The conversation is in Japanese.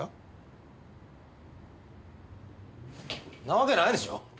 んなわけないでしょ！